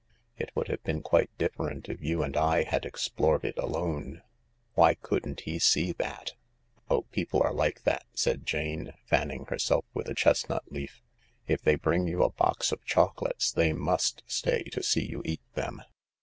It would have been quite different if you and I had explored it alone. Why couldn't he see that ?" "Oh, people are like that," said Jane, fanning herself with a chestnut leaf ; "if they bring you a box of chocolates they must stay to see you eat them.